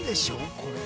これ。